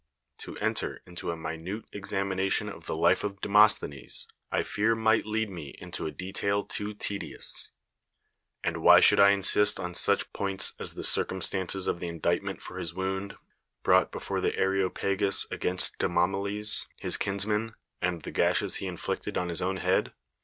To enter into a minute examination of the life of Demosthenes I fear might lead me into a detail too tedious. And why should I insist on such points as the circumstaiices of the in dictment for his wound, brought before the Are opagus against Demomeles his kinsman, and the gashes he inflicted on his ov\ n head?